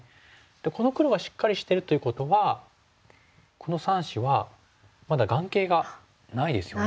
この黒がしっかりしてるということはこの３子はまだ眼形がないですよね。